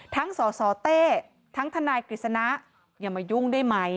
สสเต้ทั้งทนายกฤษณะอย่ามายุ่งได้ไหม